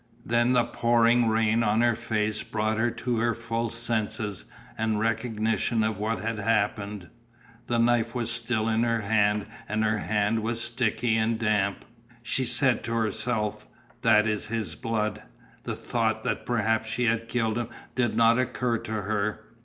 Then the pouring rain on her face brought her to her full senses and recognition of what had happened. The knife was still in her hand and her hand was sticky and damp. She said to herself: "That is his blood." The thought that perhaps she had killed him did not occur to her.